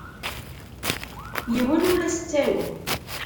Yiwen ur as-ttaruɣ.